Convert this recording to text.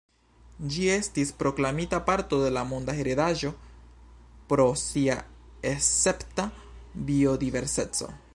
Ĝi estis proklamita parto de la monda heredaĵo pro sia escepta biodiverseco.